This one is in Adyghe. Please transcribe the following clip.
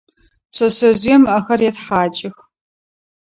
Пшъэшъэжъыем ыӏэхэр етхьакӏых.